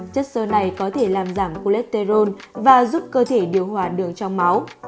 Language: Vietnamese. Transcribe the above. chất sơ này có thể làm giảm poleterol và giúp cơ thể điều hòa đường trong máu